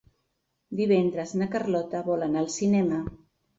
Divendres na Carlota vol anar al cinema.